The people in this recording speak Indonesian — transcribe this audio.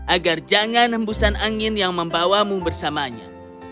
agar jangan hembusan angin yang membawamu bersamanya